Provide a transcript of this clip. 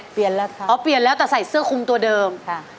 เปลี่ยนแล้วค่ะอ๋อเปลี่ยนแล้วแต่ใส่เสื้อคุมตัวเดิมค่ะ